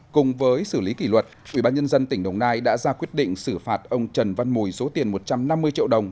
cùng với xử lý kỷ luật quỹ ban nhân dân tỉnh đồng nai đã ra quyết định xử phạt ông trần văn mùi số tiền một trăm năm mươi triệu đồng